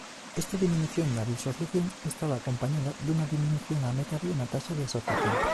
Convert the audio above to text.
Esta diminución da disociación estaba acompañada dunha diminución á metade na taxa de asociación.